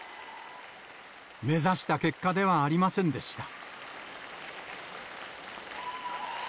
目指した結果ではありませんでした。